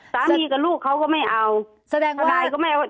สามีกับลูกเขาก็ไม่เอาทนายก็ไม่เอา